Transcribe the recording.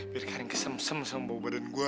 biar karin kesem sem sama bau badan gue